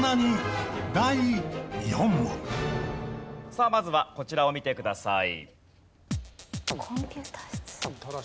さあまずはこちらを見てください。